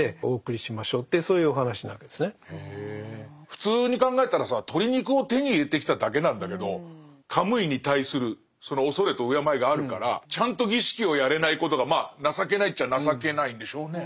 普通に考えたらさ鳥肉を手に入れてきただけなんだけどカムイに対する畏れと敬いがあるからちゃんと儀式をやれないことがまあ情けないっちゃ情けないんでしょうね。